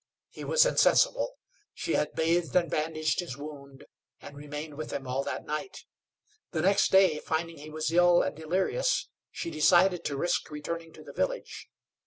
He was insensible. She had bathed and bandaged his wound, and remained with him all that night. The next day, finding he was ill and delirious, she decided to risk returning to the village.